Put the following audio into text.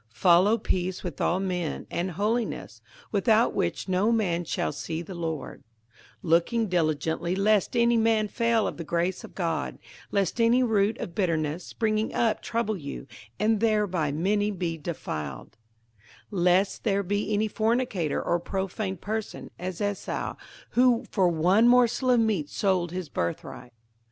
58:012:014 Follow peace with all men, and holiness, without which no man shall see the Lord: 58:012:015 Looking diligently lest any man fail of the grace of God; lest any root of bitterness springing up trouble you, and thereby many be defiled; 58:012:016 Lest there be any fornicator, or profane person, as Esau, who for one morsel of meat sold his birthright.